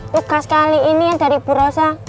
tukar sekali ini ya dari pu rosa